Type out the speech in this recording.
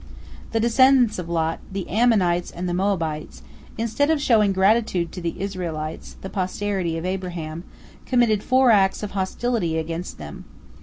The descendants of Lot, the Ammonites and the Moabites, instead of showing gratitude to the Israelites, the posterity of Abraham, committed four acts of hostility against them.